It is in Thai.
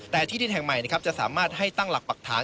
แต่ที่ดินแห่งใหม่นะครับจะสามารถให้ตั้งหลักปรักฐาน